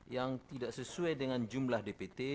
yang tidak sesuai dengan jumlah dpt